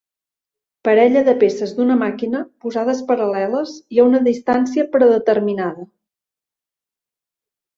Parella de peces d'una màquina posades paral·leles i a una distància predeterminada.